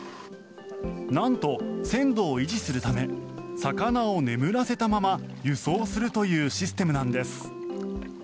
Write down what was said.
なんと、鮮度を維持するため魚を眠らせたまま輸送するというシステムなんです。